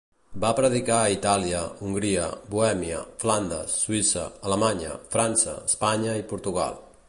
Va predicar a Itàlia, Hongria, Bohèmia, Flandes, Suïssa, Alemanya, França, Espanya i Portugal.